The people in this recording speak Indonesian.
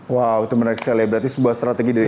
wow itu menarik sekali ya berarti sebuah strategi dari